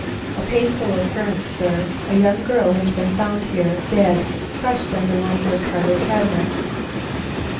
"A painful occurrence, sir. A young girl has been found here, dead, crushed under one of your parlor cabinets."